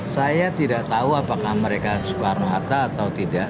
saya tidak tahu apakah mereka soekarno hatta atau tidak